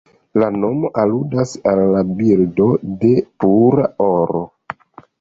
La nomo aludas al la bildo de "pura oro".